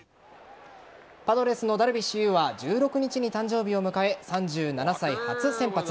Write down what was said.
パドレスのダルビッシュ有は１６日に誕生日を迎え３７歳、初先発。